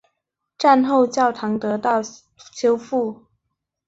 战后教堂得到修复。